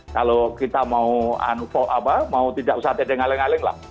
kalau kita mau tidak usah teteh ngaling ngaling lah